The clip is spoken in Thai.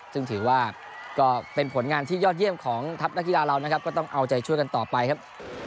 ซึ่งถือว่าก็เป็นผลงานที่ยอดเยี่ยมของทัพนักกีฬาเรานะครับก็ต้องเอาใจช่วยกันต่อไปครับ